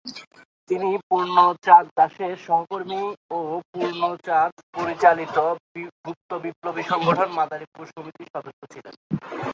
তিনি পূর্ণচন্দ্র দাসের সহকর্মী ও পূর্ণচন্দ্র পরিচালিত গুপ্ত বিপ্লবী সংগঠন মাদারিপুর সমিতির সদস্য ছিলেন।